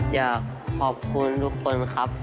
อยากขอบคุณทุกคนครับ